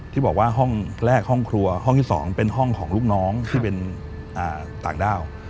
ที่บอกว่าห้องแรกห้องครัวห้องที่๒เป็นห้องของลูกน้องที่เป็นต่างด้าว